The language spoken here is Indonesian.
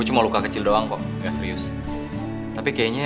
judulnya aja lo masuk rumah sakit